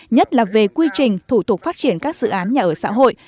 nhất là về quy trình thủ tục phát triển các dự án nhà ở xã hội